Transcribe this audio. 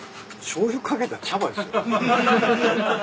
しょうゆ掛けた茶葉ですよ。